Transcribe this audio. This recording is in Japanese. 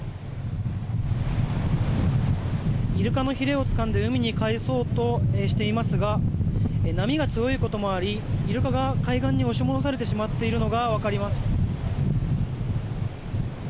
イルカのひれをつかんで海に帰そうとしていますが波が強いこともありイルカが海岸に押し戻されてしまっているのが分かります。